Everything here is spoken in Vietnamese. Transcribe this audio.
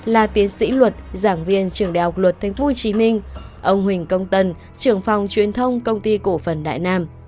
là tiến sĩ luật giảng viên trường đại học luật tp hcm ông huỳnh công tần trưởng phòng truyền thông công ty cổ phần đại nam